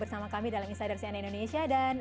bersama kami dalam insiders nn indonesia dan